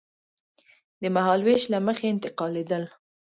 د مهالوېش له مخې انتقالېدل.